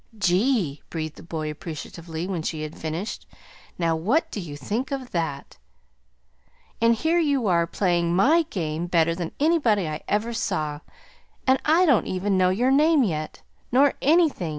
"Gee!" breathed the boy appreciatively, when she had finished. "Now what do you think of that!" "And here you are, playing MY game better than anybody I ever saw, and I don't even know your name yet, nor anything!"